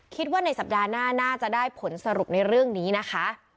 คิดว่าในสัปดาห์หน้าน่าจะได้ผลสรุปในเรื่องนี้นะคะ